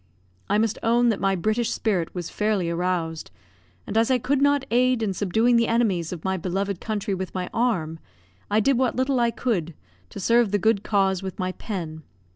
I must own that my British spirit was fairly aroused, and as I could not aid in subduing the enemies of my beloved country with my arm, I did what little I could to serve the good cause with my pen.